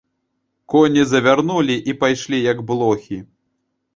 Коні завярнулі і пайшлі, як блохі.